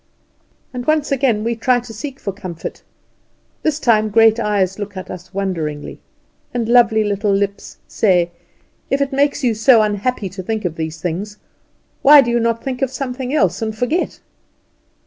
And once again we try to seek for comfort. This time great eyes look at us wondering, and lovely little lips say: "If it makes you so unhappy to think of these things, why do you not think of something else, and forget?"